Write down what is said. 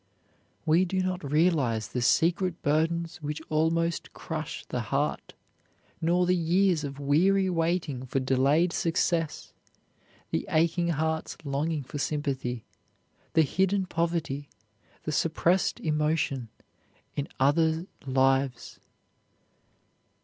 We do not realize the secret burdens which almost crush the heart, nor the years of weary waiting for delayed success the aching hearts longing for sympathy, the hidden poverty, the suppressed emotion in other lives.